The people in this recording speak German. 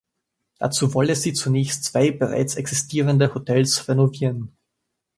Dazu wolle sie zunächst zwei bereits existierende Hotels renovieren.